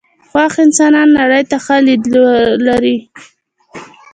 خوښ انسانان نړۍ ته ښه لید لري .